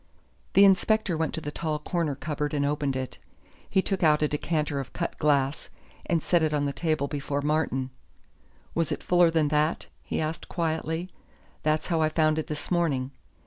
The inspector went to the tall corner cupboard and opened it. He took out a decanter of cut glass, and set it on the table before Martin. "Was it fuller than that?" he asked quietly. "That's how I found it this morning."